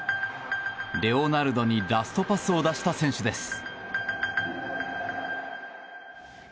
レオナルドにラストパスを出した選手です。